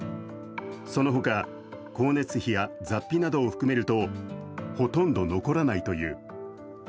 そのほか、光熱費や雑費などを含めるとほとんど残らないという。